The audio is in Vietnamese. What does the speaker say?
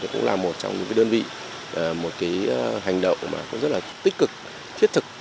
cũng là một trong những đơn vị một hành động rất là tích cực thiết thực